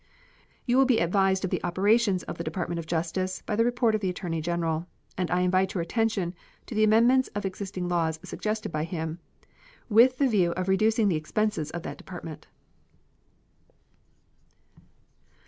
You will be advised of the operations of the Department of Justice by the report of the Attorney General, and I invite your attention to the amendments of existing laws suggested by him, with the view of reducing the expenses of that Department.